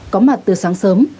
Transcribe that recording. có mặt từ sáng sớm